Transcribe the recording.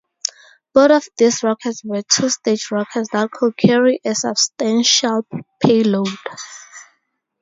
Both of these rockets were two-stage rockets that could carry a substantial payload.